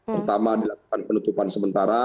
pertama dilakukan penutupan sementara